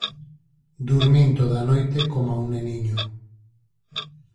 Durmín toda a noite coma un neniño.